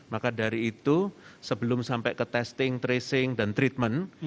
maka dari itu sebelum sampai ke testing tracing dan treatment